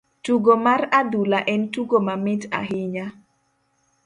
Tugo mar adhula en tugo mamit ahinya.